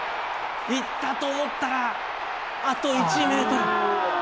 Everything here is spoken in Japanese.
いったと思ったらあと１メートル。